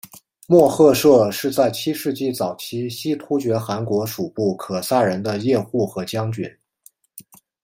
莫贺设是在七世纪早期西突厥汗国属部可萨人的叶护和将军。